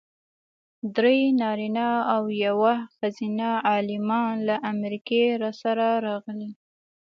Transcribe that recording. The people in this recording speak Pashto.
درې نارینه او یوه ښځینه عالمان له امریکې راسره راغلي.